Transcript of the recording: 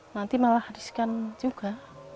nanti malah riskan juga